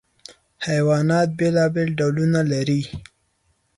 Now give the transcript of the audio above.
حیوانات بېلابېل ډولونه لري.